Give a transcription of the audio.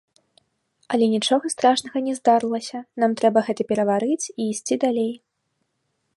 Але нічога страшнага не здарылася, нам трэба гэта пераварыць і ісці далей.